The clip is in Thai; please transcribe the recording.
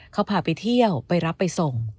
เขาพาไปเที่ยวไปรับไปส่ง